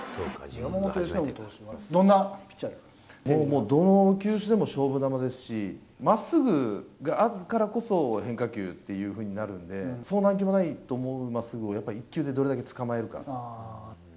山本由伸投手はどんなピッチどの球種でも勝負球ですし、まっすぐがあるからこそ、変化球っていうふうになるんで、なんともないと思いますけど、まっすぐを一球でどれだけ捕まえるか。